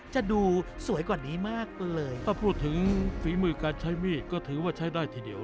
จะดูสวยกว่านี้มากเลยถ้าพูดถึงฝีมือการใช้มีดก็ถือว่าใช้ได้ทีเดียว